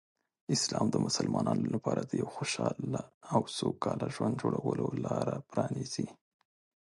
اسلام د مسلمانانو لپاره د یو خوشحال او سوکاله ژوند جوړولو لاره پرانیزي.